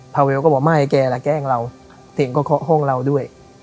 พาเวลก็บอกไม่แกแกล้งเราเสียงเคาะห้องเราด้วย